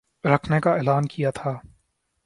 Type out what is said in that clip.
رکھنے کا اعلان کیا تھا